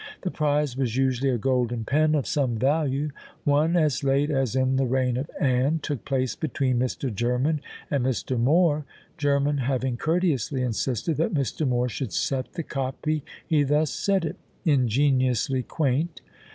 The prize was usually a golden pen of some value. One as late as in the reign of Anne took place between Mr. German and Mr. More. German having courteously insisted that Mr. More should set the copy, he thus set it, ingeniously quaint!